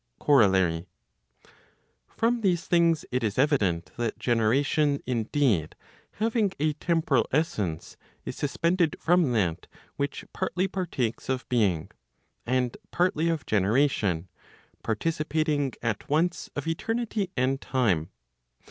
COROIXARV. From these things it is evident, that generation indeed, having a temporal essence, is suspended from that which partly partakes of being, and partly of generation, participating at once of eternity and time.